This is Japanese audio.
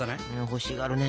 欲しがるね。